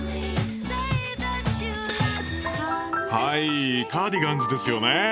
はいカーディガンズですよね。